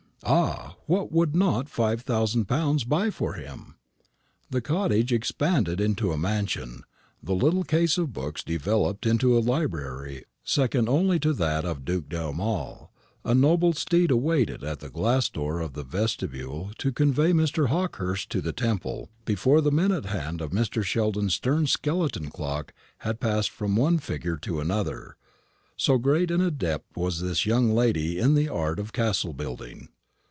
Ah, what would not five thousand pounds buy for him! The cottage expanded into a mansion, the little case of books developed into a library second only to that of the Duc d'Aumale, a noble steed waited at the glass door of the vestibule to convey Mr. Hawkehurst to the Temple, before the minute hand of Mr. Sheldon's stern skeleton clock had passed from one figure to another: so great an adept was this young lady in the art of castle building.